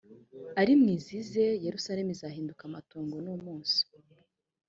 ari mwe izize yerusalemu izahinduka amatongo n umuso